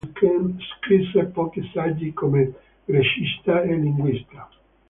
Scrisse pochi saggi come grecista e linguista.